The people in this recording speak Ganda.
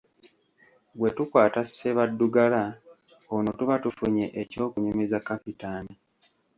Bwe tukwata Ssebaddugala ono tuba tufunye eky'okunyumiza Kapitaani.